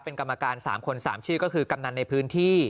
เป็นกรรมการ๓คน๓ชื่อก็คือกำนันในพื้นที่